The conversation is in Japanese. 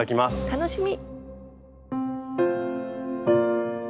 楽しみ！